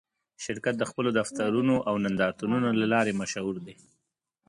شرکت د خپلو دفترونو او نندارتونونو له لارې مشهور دی.